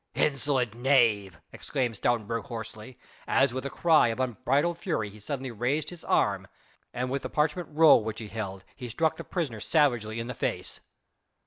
"Insolent knave!" exclaimed Stoutenburg hoarsely, as with a cry of unbridled fury he suddenly raised his arm and with the parchment roll which he held, he struck the prisoner savagely in the face.